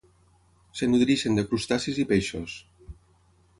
Es nodreixen de crustacis i peixos.